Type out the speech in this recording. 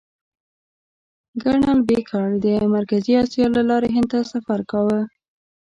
کرنل بېکر د مرکزي اسیا له لارې هند ته سفر کاوه.